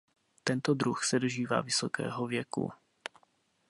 Tento druh se dožívá vysokého věku.